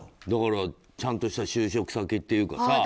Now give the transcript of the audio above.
だからちゃんとした就職先っていうか。